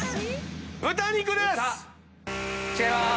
豚肉です！